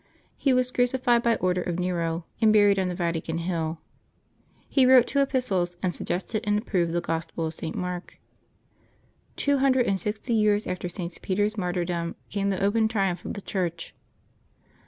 He was crucified by order of Nero, and buried on the Vatican Hill. He wrote two Epistles, and suggested and approved the Gospel of St. Mark. Two hundred and sixty years after .St. Peter's martyrdom came the open triumph of the Church.